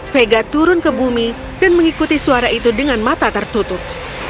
vega turun ke bumi dan mengikuti suara itu dengan mata tertutup